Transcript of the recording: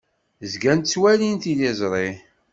Zgan ttwalin tiliẓri.